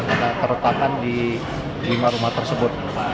ada terletakkan di lima rumah tersebut